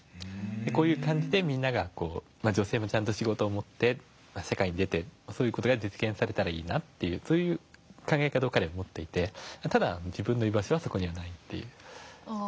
こういう感じでみんなが女性もちゃんと仕事を持って社会に出てそういう事が実現されたらいいなというそういう考え方を彼は持っていてただ自分の居場所はそこにはないっていう。